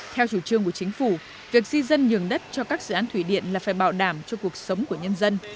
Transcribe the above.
theo chủ trương của chính phủ việc di dân nhường đất cho các dự án thủy điện là phải bảo đảm cho cuộc sống của nhân dân